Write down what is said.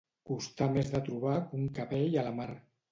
Costar més de trobar que un cabell a la mar.